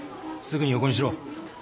すぐに横にしろ。